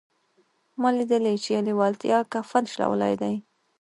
ما ليدلي چې لېوالتیا کفن شلولی دی.